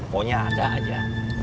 pokoknya ada aja